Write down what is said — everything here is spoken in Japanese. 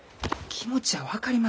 気持ちは分かります